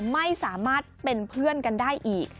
ไม่สามารถเป็นเพื่อนกันได้อีก